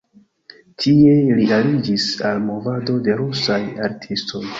Tie li aliĝis al movado de rusaj artistoj.